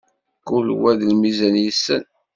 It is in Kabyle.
Kul wa d lmizan yessen.